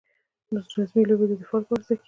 رزمي لوبې د دفاع لپاره زده کیږي.